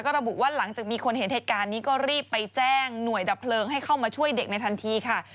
ระบุว่าหลังจากมีคนเห็นเหตุการณ์นี้ก็รีบไปแจ้งหน่วยดับเพลิงให้เข้ามาช่วยเด็กในทันทีค่ะ